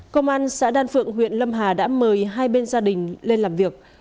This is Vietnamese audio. công an xã đan phượng huyện lâm hà đã mời hai bên gia đình lên làm việc